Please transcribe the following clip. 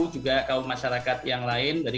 juga kaum masyarakat yang lain dari